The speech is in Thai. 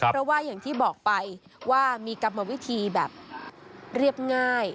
เพราะว่าอย่างที่บอกไปว่ามีกรรมวิธีแบบเรียบง่าย